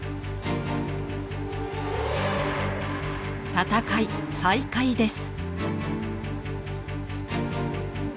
戦い再開です。